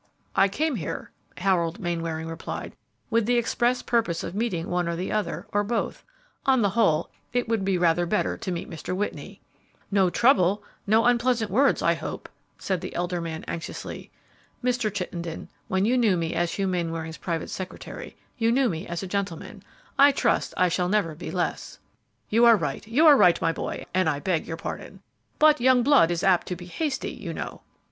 "I came here," Harold Mainwaring replied, "with the express purpose of meeting one or the other, or both; on the whole, it will be rather better to meet Mr. Whitney." "No trouble, no unpleasant words, I hope?" said the elder man, anxiously. "Mr. Chittenden, when you knew me as Hugh Mainwaring's private secretary, you knew me as a gentleman; I trust I shall never be less." "You are right, you are right, my boy, and I beg your pardon; but young blood is apt to be hasty, you know."